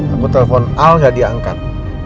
aku telepon al gak diangkat